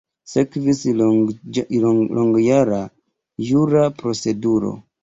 Sekvis longjara jura proceduro.